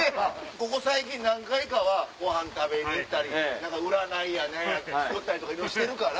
ここ最近何回かはごはん食べに行ったり占いや何やとか作ったりとかいろいろしてるから。